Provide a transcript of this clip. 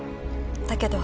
だけど。